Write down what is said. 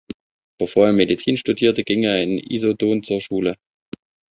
Bevor er Medizin studierte ging er in Issoudun zur Schule.